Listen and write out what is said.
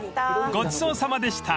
［ごちそうさまでした！